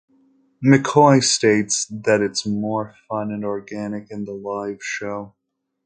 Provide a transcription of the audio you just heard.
McCoy states that It's more fun and organic in the live show.